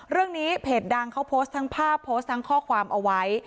เรื่องนี้เพจดังเขาโพสต์ทั้งภาพโพสต์ทั้งข้อความเอาไว้